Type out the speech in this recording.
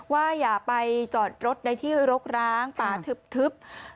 อย่าไปจอดรถในที่รกร้างป่าทึบ